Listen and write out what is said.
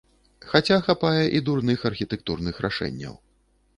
Хаця хапае і дурных архітэктурных рашэнняў.